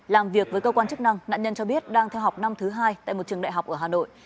làm việc với cơ quan chức năng nạn nhân cho biết đang theo học năm thứ hai tại một trường đại học ở hà nội